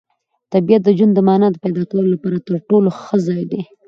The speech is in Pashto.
طبیعت د ژوند د مانا د پیدا کولو لپاره تر ټولو ښه ځای دی.